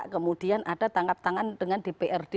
kemudian ada tangkap tangan dengan dprd